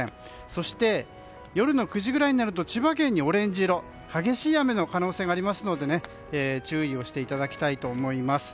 そして、夜の９時くらいになると千葉県にオレンジ色激しい雨の可能性がありますので注意をしていただきたいと思います。